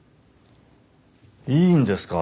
いいんですか？